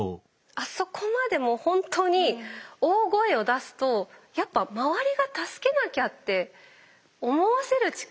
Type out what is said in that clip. あそこまでもうほんとに大声を出すとやっぱ周りが助けなきゃって思わせる力が。